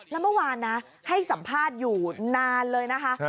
แล้วเมื่อวานนะให้สัมภาษณ์อยู่นานเลยนะคะ